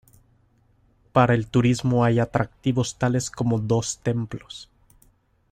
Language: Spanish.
Para el turismo hay atractivos tales como dos templos.